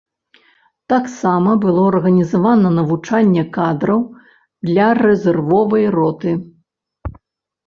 Таксама было арганізавана навучанне кадраў для рэзервовай роты.